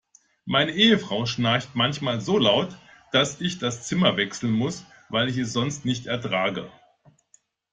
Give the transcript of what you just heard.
Meine Ehefrau schnarcht manchmal so laut, dass ich das Zimmer wechseln muss, weil ich es sonst nicht ertrage.